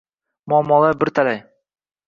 Muammolar bir talay